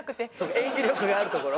演技力があるところ？